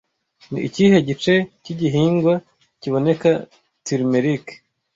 Ni ikihe gice cy'igihingwa kiboneka turmeric